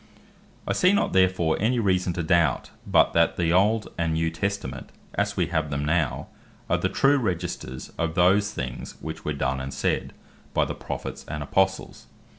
I see not therefore any reason to doubt, but that the Old, and New Testament, as we have them now, are the true Registers of those things, which were done and said by the Prophets, and Apostles.